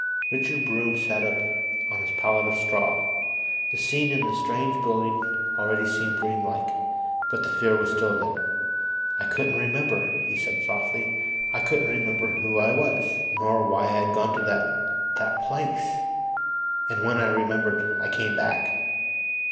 Richard Broom sat up on his palette of straw. The scene in the strange building already seemed dreamlike, but the fear was still there. "I couldn't remember," he said softly. "I couldn't remember who I was nor why I had gone to that ... that place. And when I remembered, I came back."